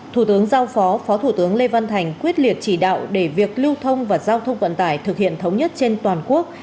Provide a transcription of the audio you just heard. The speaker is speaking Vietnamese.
thủ tướng giao phó phó thủ tướng lê văn thành quyết liệt chỉ đạo để việc lưu thông và giao thông vận tải thực hiện thống nhất trên toàn quốc